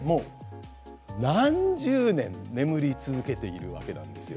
何十年、眠り続けているんです。